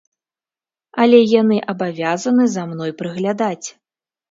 Але яны абавязаны за мной прыглядаць.